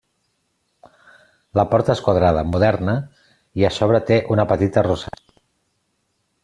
La porta és quadrada, moderna i a sobre té una petita rosassa.